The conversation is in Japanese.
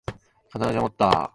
肩口を持った！